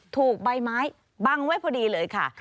ถูกใบไม้บังไว้พอดีเลยค่ะ